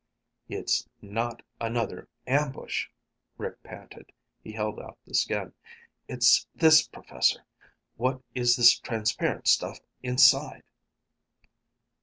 "It's not another ambush," Rick panted. He held out the skin. "It's this. Professor, what is this transparent stuff inside?"